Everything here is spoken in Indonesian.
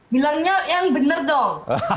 bilangnya yang bener dong